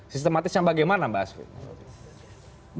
sistematis yang bagaimana mbak asvid